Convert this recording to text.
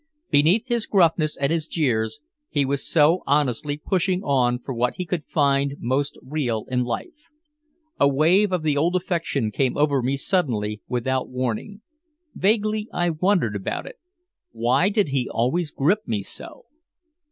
Beneath his gruffness and his jeers he was so honestly pushing on for what he could find most real in life. A wave of the old affection came over me suddenly without warning. Vaguely I wondered about it. Why did he always grip me so?